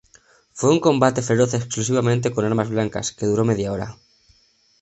Fue un combate feroz exclusivamente con armas blancas que duró media hora.